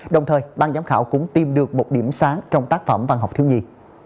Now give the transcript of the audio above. đồng thời ban giám khảo cũng tìm được một điểm sáng trong tác phẩm văn học thiếu nhi